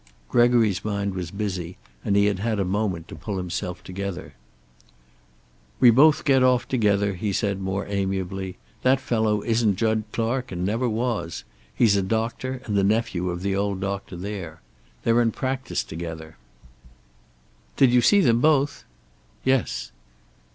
Gregory's mind was busy, and he had had a moment to pull himself together. "We both get off together," he said, more amiably. "That fellow isn't Jud Clark and never was. He's a doctor, and the nephew of the old doctor there. They're in practice together." "Did you see them both?" "Yes."